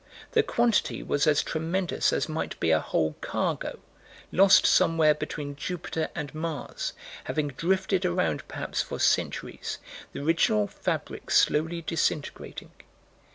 The quantity was as tremendous as might be a whole cargo, lost somewhere between Jupiter and Mars, having drifted around perhaps for centuries, the original fabrics slowly disintegrating.